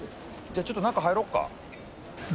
じゃあちょっと中入ろっか。